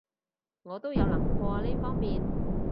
我都有諗過呢方面